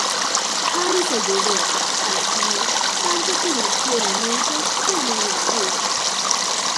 Harris ayudó a Smith tanto financieramente como de escriba.